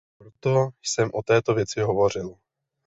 A proto jsem o této věci hovořil.